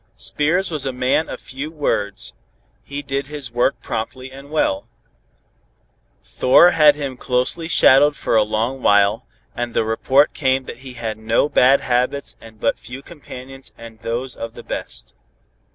Spears was a man of few words. He did his work promptly and well. Thor had him closely shadowed for a long while, and the report came that he had no bad habits and but few companions and those of the best.